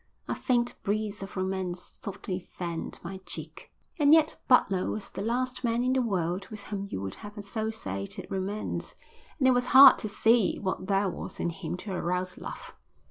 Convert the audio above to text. A faint breeze of romance softly fanned my cheek. And yet Butler was the last man in the world with whom you would have associated romance, and it was hard to see what there was in him to arouse love.